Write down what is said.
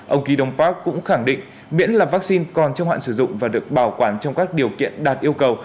ông kydon park cũng khẳng định miễn là vaccine còn trong hạn sử dụng và được bảo quản trong các điều kiện đạt yêu cầu